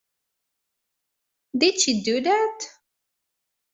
Did she do that?